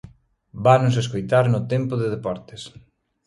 Vanos escoitar no tempo de deportes.